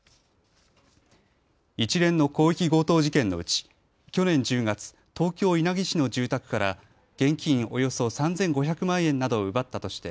一連の広域強盗事件のうち去年１０月、東京稲城市の住宅から現金およそ３５００万円などを奪ったとして